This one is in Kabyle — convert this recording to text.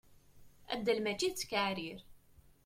Addal mačči d ttkeɛrir.